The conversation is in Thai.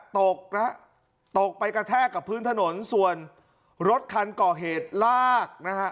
ตกนะฮะตกไปกระแทกกับพื้นถนนส่วนรถคันก่อเหตุลากนะฮะ